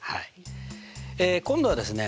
え今度はですね